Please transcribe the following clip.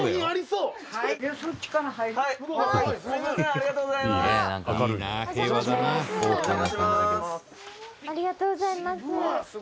「ありがとうございます」